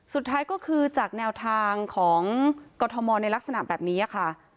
สุดท้ายก็คือจากแนวทางของกรทมในลักษณะแบบนี้ค่ะ